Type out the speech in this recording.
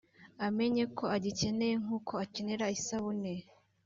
amenye ko agikeneye nk’uko akenera isabune